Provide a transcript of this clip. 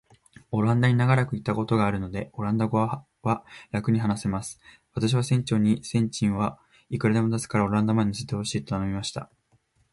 オランダに長らくいたことがあるので、オランダ語はらくに話せます。私は船長に、船賃はいくらでも出すから、オランダまで乗せて行ってほしいと頼みました。